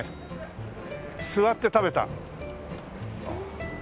座って食べた。